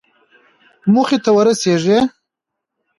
موخې ته ورسېږئ